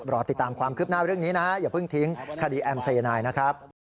รอติดตามความคืบหน้าเรื่องนี้นะอย่าเพิ่งทิ้งคดีแอมสายนายนะครับ